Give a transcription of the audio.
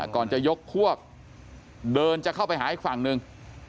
ก่อนจะยกพวกเดินจะเข้าไปหาอีกฝั่งหนึ่ง